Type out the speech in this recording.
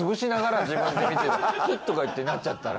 ヒッとかってなっちゃったら。